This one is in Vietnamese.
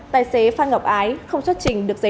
tài xế phan ngọc ái không xuất trình được giấy